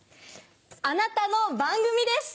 「あなたの番組です」。